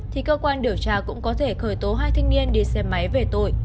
thì cơ quan điều tra cũng có thể khởi tố hai thanh niên đi xe máy về tội